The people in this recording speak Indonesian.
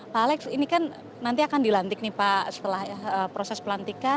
pak alex ini kan nanti akan dilantik nih pak setelah proses pelantikan